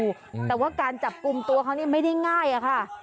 แต่ว่าการจับกลุ่มตัวเขานี่ไม่ได้ง่ายอะค่ะ